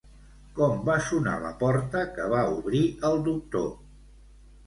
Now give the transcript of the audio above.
Com va sonar la porta que va obrir el doctor?